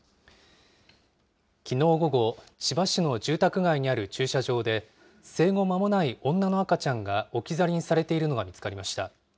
きのう午後、千葉市の住宅街にある駐車場で、生後まもない女の赤ちゃんが置き去りにされているのが見つかりました。